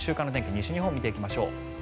西日本を見ていきましょう。